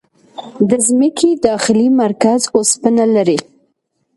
د ځمکې داخلي مرکز اوسپنه لري.